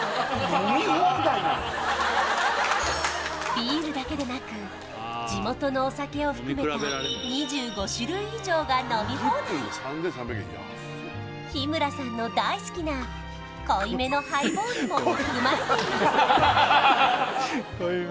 ビールだけでなく地元のお酒を含めた２５種類以上が飲み放題日村さんの大好きな濃いめのハイボールも含まれています